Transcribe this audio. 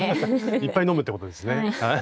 いっぱい飲むってことですね。